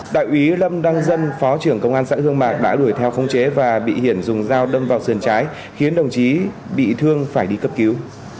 đại úy lâm đăng dân phó trưởng công an xã hương mạc đã đuổi theo không chế và bị hiển dùng dao đâm vào sườn trái khiến đồng chí bị thương phải đi cấp cứu